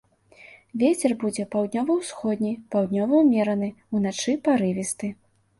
Вецер будзе паўднёва-ўсходні, паўднёвы ўмераны, уначы парывісты.